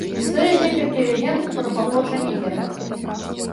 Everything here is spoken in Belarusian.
Існуе некалькі легенд пра паходжанне герба.